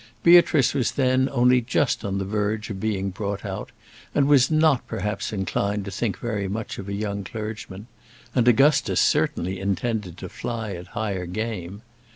Beatrice was then only just on the verge of being brought out, and was not perhaps inclined to think very much of a young clergyman; and Augusta certainly intended to fly at higher game.